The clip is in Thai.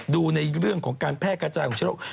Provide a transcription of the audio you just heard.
ดูในเรื่องของการแพร่กระจายของเชื้อโรค